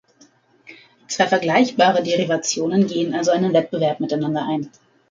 Zwei vergleichbare Derivationen gehen also einen Wettbewerb miteinander ein.